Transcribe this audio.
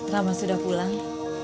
rama sudah pulang